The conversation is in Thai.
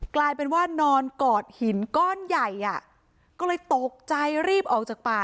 กลายเป็นว่านอนกอดหินก้อนใหญ่อ่ะก็เลยตกใจรีบออกจากป่า